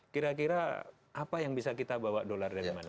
kira kira apa yang bisa kita bawa dolar dari mana